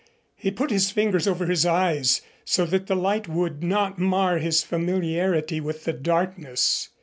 He put his fingers over his eyes, so that the light would not mar his familiarity with the darkness.